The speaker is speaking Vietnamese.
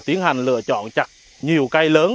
và tiến hành lựa chọn chặt nhiều cây lớn